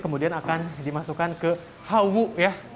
kemudian akan dimasukkan ke hawu ya